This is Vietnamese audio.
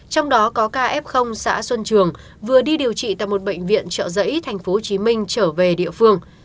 trong đó có ca f xã xuân trường vừa đi điều trị tại một bệnh viện trợ giấy tp hcm trở về địa phương